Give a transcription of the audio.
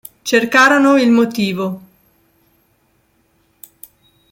Cercarono il motivo.